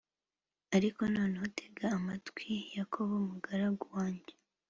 ariko noneho, tega amatwi, yakobo, mugaragu wanjye,